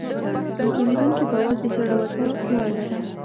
د پیرودونکي باور د زړورتیا پایله ده.